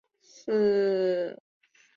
江西省新昌县棠浦镇沐溪村人。